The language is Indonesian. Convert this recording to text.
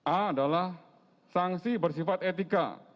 a adalah sanksi bersifat etika